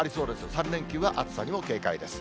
３連休は暑さにも警戒です。